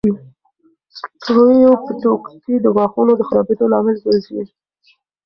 سټریپټوکوکي د غاښونو خرابېدو لامل ګرځي.